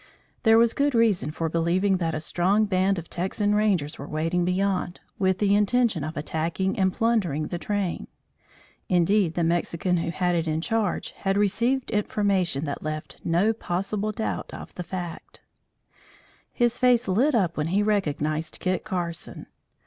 There was good reason for believing that a strong band of Texan rangers were waiting beyond, with the intention of attacking and plundering the train. Indeed the Mexican who had it in charge had received information that left no possible doubt of the fact. His face lighted up when he recognized Kit Carson.